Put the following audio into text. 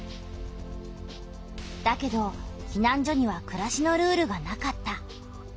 だけどひなん所にはくらしのルールがなかった。